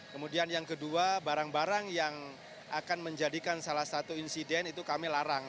kemudian yang kedua barang barang yang akan menjadikan salah satu insiden itu kami larang